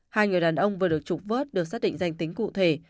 hai người đàn ông vừa được trục vớt được xác định danh tính cụ thể